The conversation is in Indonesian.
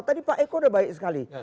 tadi pak eko sudah baik sekali